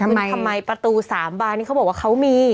ทำไมประตู๓บานนี้เขาบอกว่าเขามี